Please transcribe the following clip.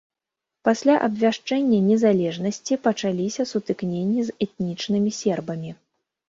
Пасля абвяшчэння незалежнасці пачаліся сутыкненні з этнічнымі сербамі.